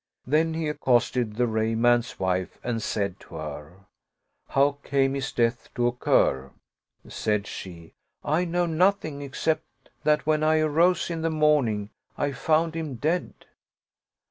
Then he accosted the Rayy man's wife and said to her, " How came his death to occur ?" Said she, " I know nothing except that, when I arose in the morning, I found him dead.'